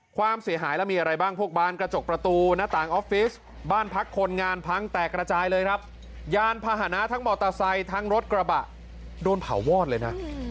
ความเสียหายแล้วมีอะไรบ้างพวกบ้านกระจกประตูหน้าต่างออฟฟิศบ้านพักคนงานพังแตกระจายเลยครับยานพาหนะทั้งมอเตอร์ไซค์ทั้งรถกระบะโดนเผาวอดเลยนะ